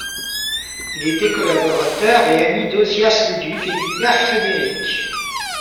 Il était collaborateur et ami d'Ozias Leduc et du Père Frédéric.